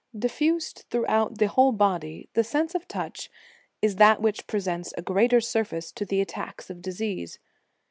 * Diffused throughout the whole body, the sense of touch is that which presents a greater surface to. the attacks of disease.